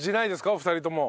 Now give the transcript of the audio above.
お二人とも。